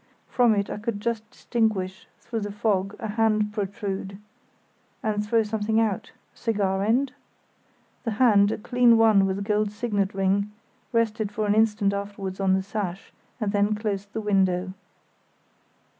From it I could just distinguish through the fog a hand protrude, and throw something out—cigar end? The hand, a clean one with a gold signet ring, rested for an instant afterwards on the sash, and then closed the window.